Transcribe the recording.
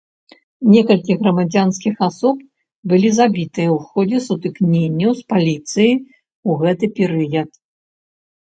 Некалькі грамадзянскіх асоб былі забітыя ў ходзе сутыкненняў з паліцыяй у гэты перыяд.